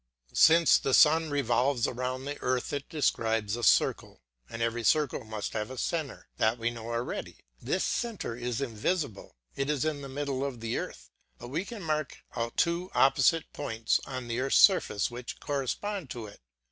Since the sun revolves round the earth it describes a circle, and every circle must have a centre; that we know already. This centre is invisible, it is in the middle of the earth, but we can mark out two opposite points on the earth's surface which correspond to it.